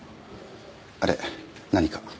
あれ何か？